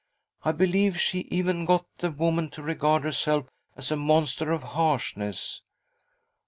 I believe she even got the woman to regard herself as a monster of harshness